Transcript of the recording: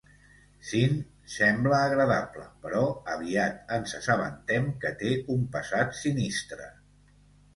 Syn sembla agradable, però aviat ens assabentem que té un passat sinistre.